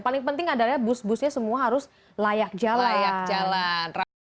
paling penting adalah bus busnya semua harus layak jalan